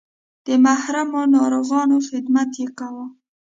د محرومو ناروغانو خدمت یې کاوه.